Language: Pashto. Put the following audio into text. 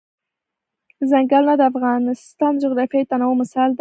ځنګلونه د افغانستان د جغرافیوي تنوع مثال دی.